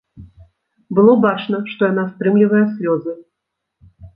Было бачна, што яна стрымлівае слёзы.